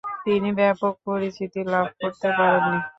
তিনি ব্যাপক পরিচিতি লাভ করতে পারেননি।